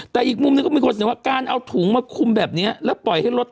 ถุงใหญ่ขาดตลาด